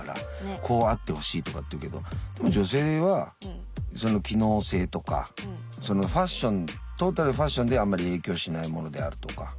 こうあってほしいとかっていうけどでも女性は機能性とかファッショントータルファッションであんまり影響しないものであるとか。